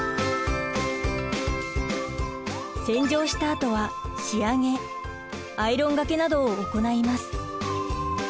洗浄したあとはアイロンがけなどを行います。